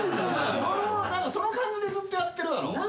その感じでずっとやってるだろ？